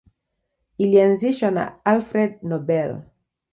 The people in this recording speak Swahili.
Ilianzishwa na Alfred Nobel.